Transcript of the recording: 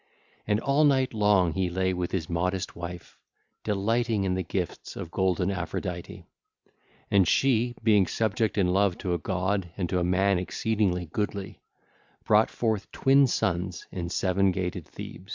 And all night long he lay with his modest wife, delighting in the gifts of golden Aphrodite. And she, being subject in love to a god and to a man exceeding goodly, brought forth twin sons in seven gated Thebe.